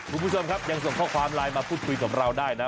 คุณผู้ชมครับยังส่งข้อความไลน์มาพูดคุยกับเราได้นะ